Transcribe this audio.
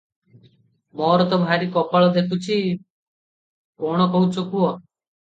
ମୋର ତ ଭାରି କପାଳ ଦେଖୁଛି! କ’ଣ କହୁଛ କହ ।”